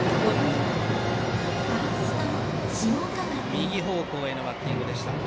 右方向へのバッティングでした。